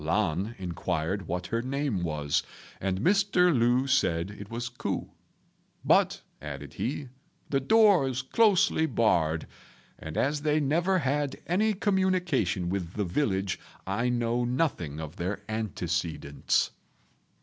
Lan inquired what her name was, and Mr. Lu said it was Ku; "But," added he, "the door is closely barred, and as they never had any communication with the village, I know nothing of their antecedents."